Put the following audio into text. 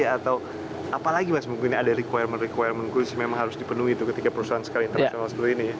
atau apalagi mas mungkin ada requirement requirement khusus memang harus dipenuhi tuh ketika perusahaan sekali teras sama seperti ini ya